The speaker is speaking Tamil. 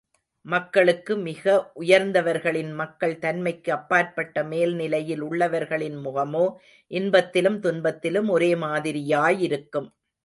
மக்களுள் மிக உயர்ந்தவர்களின் மக்கள் தன்மைக்கு அப்பாற்பட்ட மேல் நிலையில் உள்ளவர்களின் முகமோ, இன்பத்திலும் துன்பத்திலும் ஒரே மாதிரியாயிருக்கும்.